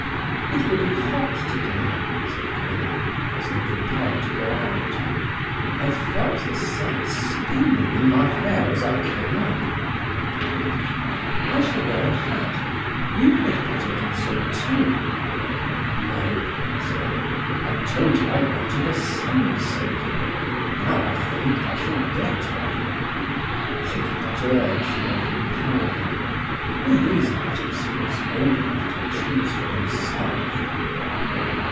"It will be hot today," said Helena, as they prepared to go out. "I felt the sun steaming in my hair as I came up," he replied. "I shall wear a hat—you had better do so too." "No," he said. "I told you I wanted a sun soaking; now I think I shall get one." She did not urge or compel him. In these matters he was old enough to choose for himself.